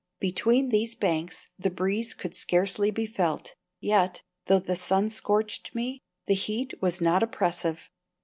Between these banks the breeze could scarcely be felt, yet, though the sun scorched me, the heat was not oppressive.